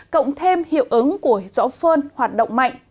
cộng thêm hiệu ứng của gió phơn hoạt động mạnh